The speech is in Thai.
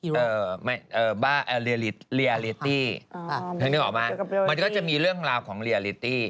หิโรคไม่บ้าเรียลิตี้นึกออกไหมมันก็จะมีเรื่องราวของเรียลิตี้